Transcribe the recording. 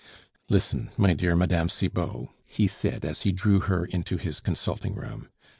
"Listen, my dear Mme. Cibot," he said, as he drew her into his consulting room.